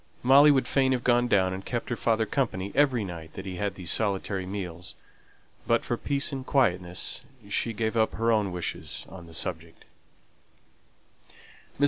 Molly would fain have gone down and kept her father company every night that he had these solitary meals; but for peace and quietness she gave up her own wishes on the matter. Mrs.